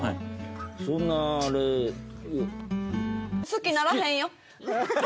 好きにならへん。